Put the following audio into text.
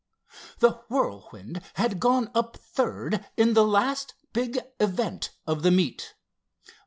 The Whirlwind had gone up third in the last big event of the meet.